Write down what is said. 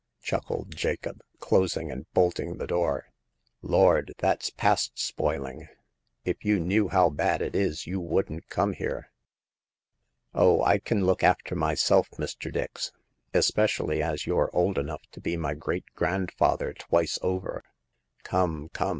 " chuckled Jacob, closing and bolting the door. " Lord ! that's past spoiling. If you knew how bad it is, you wouldn't come here." 0h, I can look after myself, Mr. Dix, especi ally as you're old enough to be my great grand father twice over." " Come, come